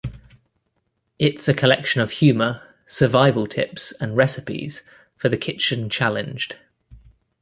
It's a collection of humor, survival tips and recipes, for the kitchen-challenged!